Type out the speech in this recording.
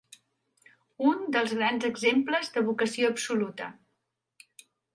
Un dels grans exemples de vocació absoluta.